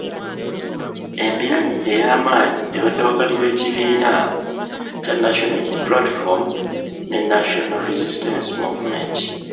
Embiranyi ey’amaanyi ebadde wakati w’ekibiina kya National Unity Platform ne National Resistance Movement.